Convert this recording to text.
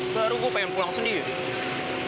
baru gue pengen pulang sendiri